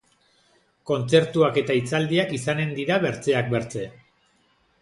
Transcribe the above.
Kontzertuak eta hitzaldiak izanen dira, bertzeak bertze.